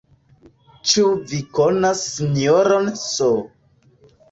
Ĉu vi konas Sinjoron S.